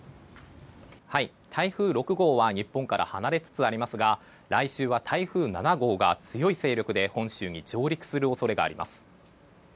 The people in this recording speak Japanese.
台風６号は日本から離れつつありますが来週は台風７号が強い勢力で本州に上陸する恐れがあります。